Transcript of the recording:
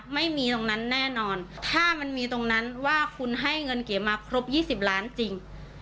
ไม่มีตรงนั้นแน่นอนถ้ามันมีตรงนั้นว่าคุณให้เงินเก๋มาครบ๒๐ล้านจริง